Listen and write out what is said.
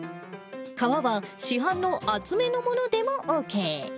皮は、市販の厚めのものでもＯＫ。